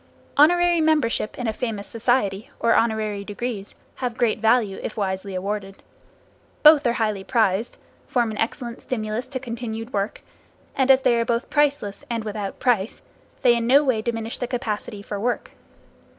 Honorary membership in a famous society, or honorary degrees, have great value if wisely awarded. Both are highly prized, form an excellent stimulus to continued work, and as they are both priceless, and without price, they in no way diminish the capacity for work.